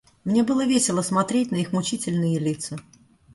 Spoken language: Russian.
Мне было весело смотреть на их мучительные лица.